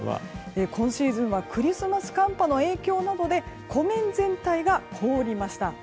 今シーズンはクリスマス寒波の影響などで湖面全体が凍りました。